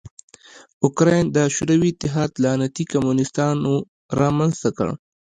اوکراین د شوروي اتحاد لعنتي کمونستانو رامنځ ته کړ.